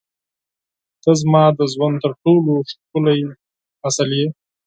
• ته زما د ژوند تر ټولو ښکلی فصل یې.